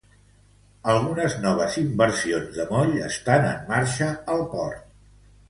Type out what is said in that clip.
Algunes noves inversions de moll estan en marxa al port.